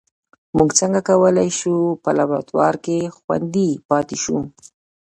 موږ څنګه کولای شو په لابراتوار کې خوندي پاتې شو